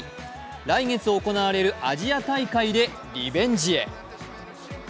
来月行われるアジア大会でリベンジへ。